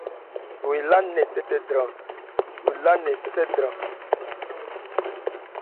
Lo éla nkɛ lala dran.